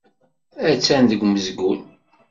Attan deg umezgun.